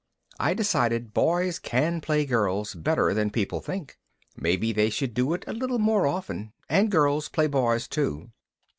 I decided boys can play girls better than people think. Maybe they should do it a little more often, and girls play boys too.